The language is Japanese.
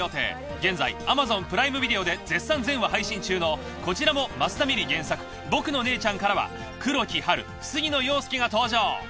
現在ＡｍａｚｏｎＰｒｉｍｅＶｉｄｅｏで絶賛全話配信中のこちらも益田ミリ原作『僕の姉ちゃん』からは黒木華杉野遥亮が登場。